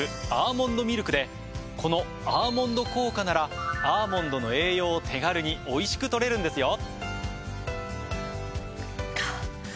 この「アーモンド効果」ならアーモンドの栄養を手軽においしく取れるんですよ。